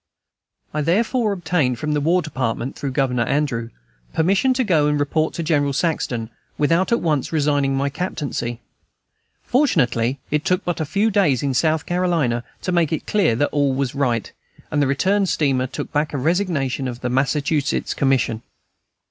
I therefore obtained from the War Department, through Governor Andrew, permission to go and report to General Saxton, without at once resigning my captaincy. Fortunately it took but a few days in South Carolina to make it clear that all was right, and the return steamer took back a resignation of a Massachusetts commission.